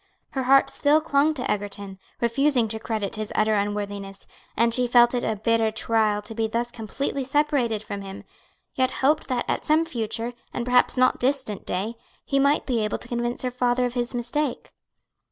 Her heart still clung to Egerton, refusing to credit his utter unworthiness, and she felt it a bitter trial to be thus completely separated from him, yet hoped that at some future, and perhaps not distant day, he might be able to convince her father of his mistake.